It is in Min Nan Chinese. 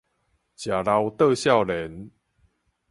食老倒少年